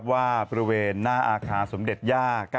ว่าบริเวณหน้าอาคารสมเด็จย่า